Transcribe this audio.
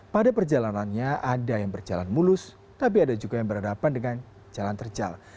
pada perjalanannya ada yang berjalan mulus tapi ada juga yang berhadapan dengan jalan terjal